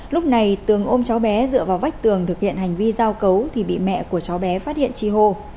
lúc này tường ôm cháu bé dựa vào vách tường thực hiện hành vi giao cấu thì bị mẹ của cháu bé phát hiện chi hô